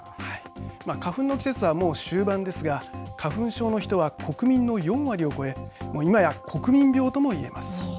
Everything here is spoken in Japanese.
花粉の季節は、もう終盤ですが花粉症の人は国民の４割を超え今や国民病とも言えます。